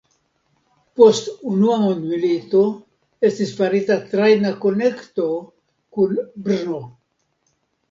Post unua mondmilito estis farita trajna konekto kun Brno.